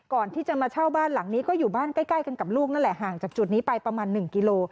ก่อนที่จะมาเช่าบ้านหลังนี้ก็อยู่บ้านใกล้กันกับลูกนั่นแหละห่างจากจุดนี้ไปประมาณ๑กิโล